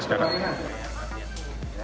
kita harus kejar